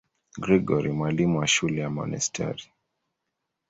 Gregori, mwalimu wa shule ya monasteri.